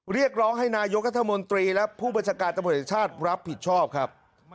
เรียกร้องให้นายกรัฐมนตรีและผู้บัญชาการตำรวจแห่งชาติรับผิดชอบครับ